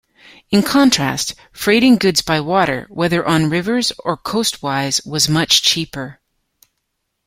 In contrast, freighting goods by water, whether on rivers or coastwise was much cheaper.